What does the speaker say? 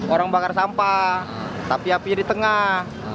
orang bakar sampah tapi apinya di tengah